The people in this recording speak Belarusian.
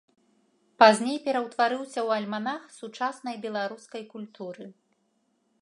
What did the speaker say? Пазней пераўтварыўся ў альманах сучаснай беларускай культуры.